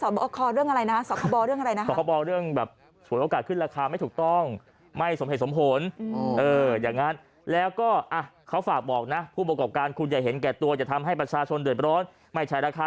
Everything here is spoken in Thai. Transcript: ไม่ใช่ว่าไอ้หมูแพงคนไปกินไก่ก็ไก่เพิ่มราคา